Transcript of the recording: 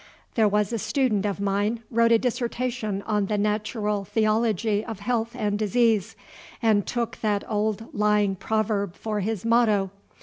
There was a student of mine wrote a dissertation on the Natural Theology of Health and Disease, and took that old lying proverb for his motto.